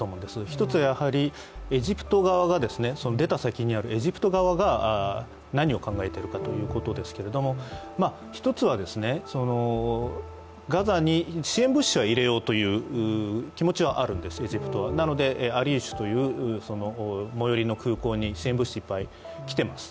１つは出た先にあるエジプト側が何を考えてるかということですけれども一つはガザに支援物資は入れようという気持ちはあるんですエジプトは、なので最寄りの空港に支援物資、いっぱい来ています。